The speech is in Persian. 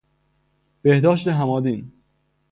بهداشت همادین